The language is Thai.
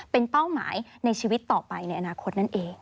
เป็นเป้าหมายในชีวิตต่อไปในอนาคตนั่นเอง